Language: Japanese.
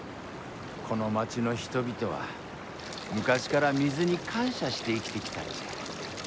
この町の人々は昔から水に感謝して生きてきたんじゃ。